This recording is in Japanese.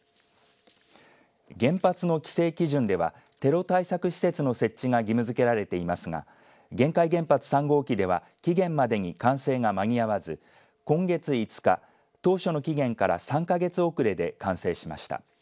原発の規制基準ではテロ対策施設の設置が義務付けられていますが玄海原発３号機では期限までに完成が間に合わず今月５日当初の期限から３か月遅れで完成しました。